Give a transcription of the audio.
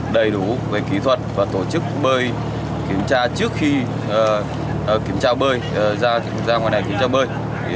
đầy đủ về kỹ thuật và tổ chức bơi kiểm tra trước khi ra ngoài này kiểm tra bơi